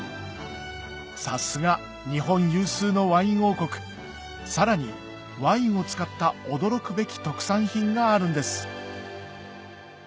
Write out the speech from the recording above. さすが日本有数のワイン王国さらにワインを使った驚くべき特産品があるんです